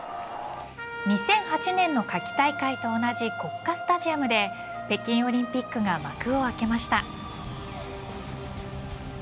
２００８年の夏季大会と同じ国家スタジアムで北京オリンピックが幕を開けました。